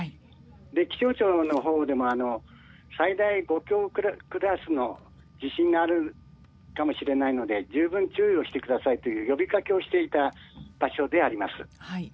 気象庁のほうでも最大５強クラスの地震があるかもしれないので十分注意をしてくださいという呼びかけをしていた場所であります。